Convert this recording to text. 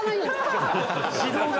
「指導が」